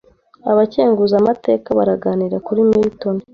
Abakenguzamateka baraganira kuri Milton